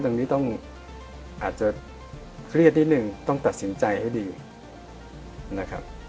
ตรงนี้ต้องอาจจะเครียดนิดนึงต้องตัดสินใจให้ดีนะครับ